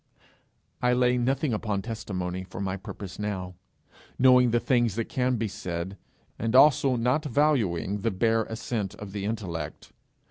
I lay nothing upon testimony for my purpose now, knowing the things that can be said, and also not valuing the bare assent of the intellect.